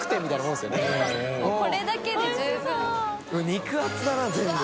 肉厚だな全部。